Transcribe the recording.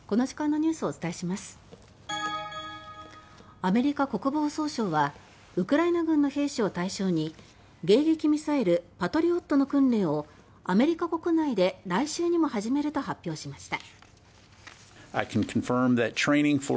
アメリカ国防総省はウクライナ軍の兵士を対象に迎撃ミサイルパトリオットの訓練をアメリカ国内で来週にも始めると発表しました。